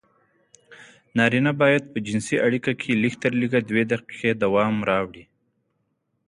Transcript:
نارينه بايد په جنسي اړيکه کې لږترلږه دوې دقيقې دوام راوړي.